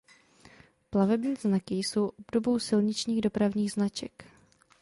Plavební znaky jsou obdobou silničních dopravních značek.